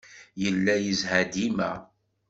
Yella yezha dima.